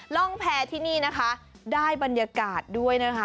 ร่องแพ้ที่นี่นะคะได้บรรยากาศด้วยนะคะ